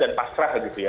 dan pasrah gitu ya